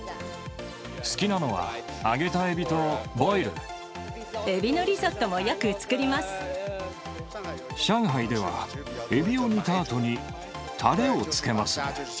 好きなのは、揚げたエビとボエビのリゾットもよく作りま上海では、エビを煮たあとにたれをつけます。